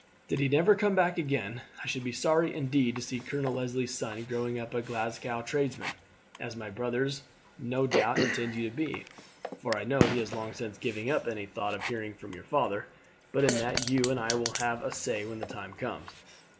Did he never come back again I should be sorry indeed to see Colonel Leslie's son growing up a Glasgow tradesman, as my brother no doubt intends you to be, for I know he has long since given up any thought of hearing from your father; but in that you and I will have a say when the time comes.